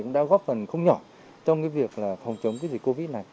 cũng đã góp phần không nhỏ trong việc phòng chống dịch covid này